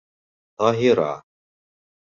Таһира